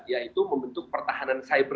yaitu membentuk pertahanan cyber